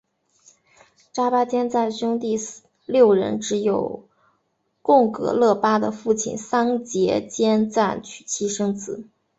扎巴坚赞兄弟六人只有贡噶勒巴的父亲桑结坚赞娶妻生子。